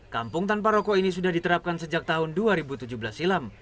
kampung tanpa rokok ini sudah diterapkan sejak tahun dua ribu tujuh belas silam